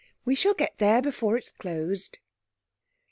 We shall get there before it's closed.'